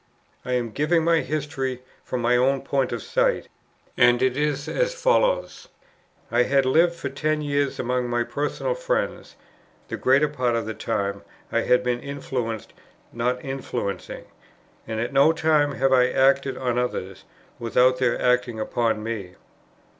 I am giving my history from my own point of sight, and it is as follows: I had lived for ten years among my personal friends; the greater part of the time, I had been influenced, not influencing; and at no time have I acted on others, without their acting upon me.